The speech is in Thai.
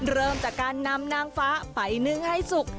เริ่มจากการนำนางฟ้าไปนึ่งให้สุก